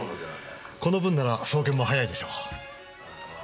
この分なら送検も早いでしょう。